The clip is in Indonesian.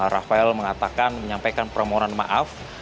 rafael mengatakan menyampaikan permohonan maaf